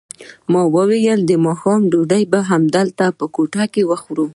ما وویل د ماښام ډوډۍ به همدلته په کوټه کې وخورو.